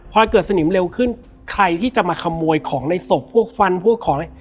พอเกิดสนิมเร็วขึ้นใครที่จะมาขโมยของในศพพวกฟันพวกของอะไร